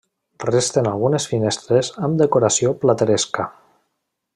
Resten algunes finestres amb decoració plateresca.